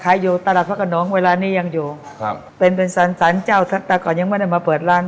ขายอยู่ตลาดพระการงศ์เวลานี่ยังอยู่เป็นสเตนเจ้าตั้งแต่ก่อนยังไม่ได้มาเปิดร้าน